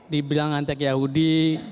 dibilang ngantek yahudi